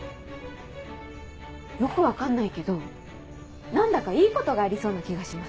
よく分かんないけど何だかいいことがありそうな気がします。